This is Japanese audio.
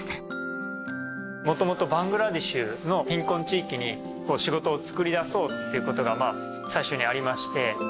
もともとバングラデシュの貧困地域に仕事を作り出そうってことが最初にありまして。